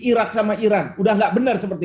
irak sama iran udah nggak benar seperti